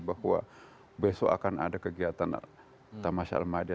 bahwa besok akan ada kegiatan tamasha al maida